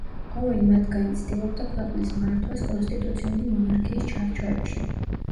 ყოველი მათგანი ცდილობდა ქვეყნის მართვას კონსტიტუციური მონარქიის ჩარჩოებში.